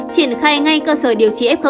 triển khai ngay cơ sở điều trị f